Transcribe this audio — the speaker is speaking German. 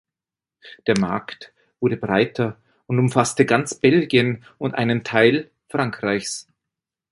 Der Markt wurde breiter und umfasste ganz Belgien und einen Teil Frankreichs.